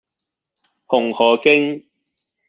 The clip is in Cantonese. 紅荷徑